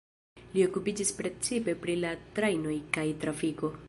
Li okupiĝis precipe pri la trajnoj kaj trafiko.